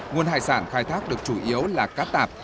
nguồn hải sản khai thác được chủ yếu là cá tạp